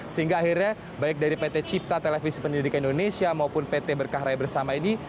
sehingga akhirnya baik dari pt cipta televisi pendidikan indonesia maupun pt berkah raya bersama ini